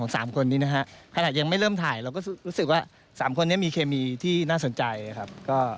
สามคนมีเคมีที่น่าสนใจครับ